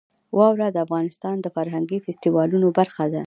واوره د افغانستان د فرهنګي فستیوالونو برخه ده.